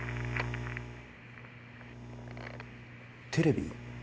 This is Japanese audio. テレビ？